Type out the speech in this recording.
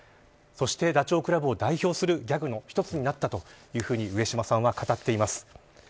そしてダチョウ倶楽部を代表するギャグの一つになったと上島さんは語っています。